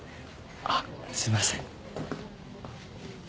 あっすいません。